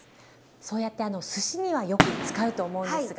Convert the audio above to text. そうやってすしにはよく使うと思うんですが。